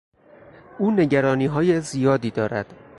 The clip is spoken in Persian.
او نگرانیهای زیادی دارد.